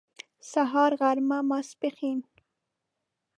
سهار غرمه ماسپښين